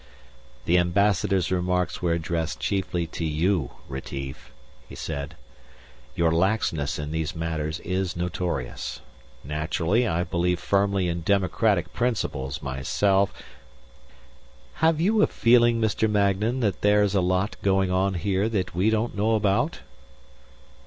"The Ambassador's remarks were addressed chiefly to you, Retief," he said. "Your laxness in these matters is notorious. Naturally, I believe firmly in democratic principles myself " "Have you ever had a feeling, Mr. Magnan, that there's a lot going on here that we don't know about?"